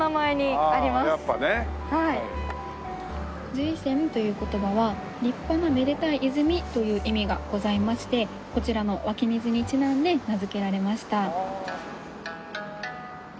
瑞泉という言葉は「立派なめでたい泉」という意味がございましてこちらの湧き水にちなんで名付けられました。